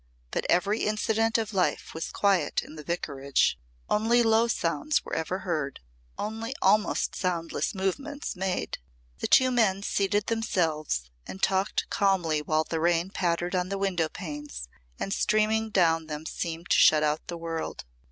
But every incident of life was quiet in the Vicarage. Only low sounds were ever heard, only almost soundless movements made. The two men seated themselves and talked calmly while the rain pattered on the window panes and streaming down them seemed to shut out the world.